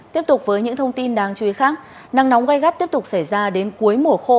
tiếp tục với những thông tin đáng chú ý khác nắng nóng gai gắt tiếp tục xảy ra đến cuối mùa khô